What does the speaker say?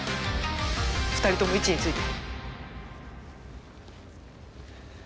２人とも位置について。